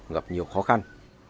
gặp nhiều khó khăn